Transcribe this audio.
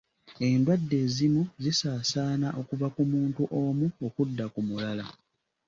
Endwadde ezimu zisaasaana okuva ku omuntu omu okudda ku mulala.